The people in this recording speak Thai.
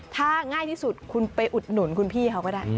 ถ้าง่ายที่สุดคุณไปอุดหนุนคุณพี่เขาก็ได้